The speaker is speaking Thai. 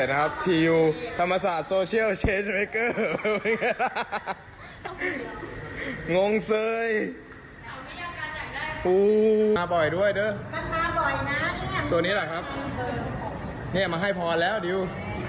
นี่มาให้พรแล้วดิว